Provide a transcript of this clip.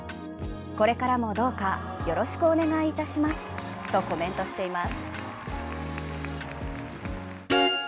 これからもどうかよろしくお願いいたしますとコメントしています。